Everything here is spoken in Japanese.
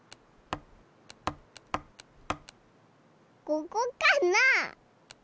ここかな？